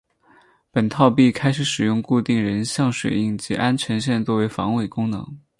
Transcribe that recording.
本套币开始使用固定人像水印及安全线作为防伪功能。